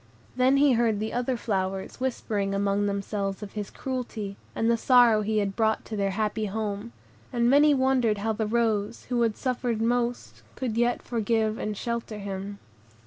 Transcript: Then he heard the other flowers whispering among themselves of his cruelty, and the sorrow he had brought to their happy home; and many wondered how the rose, who had suffered most, could yet forgive and shelter him.